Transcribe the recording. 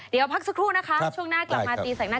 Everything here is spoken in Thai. เดี๋ยวพักสักครู่นะคะช่วงหน้ากลับมาตีแสงหน้า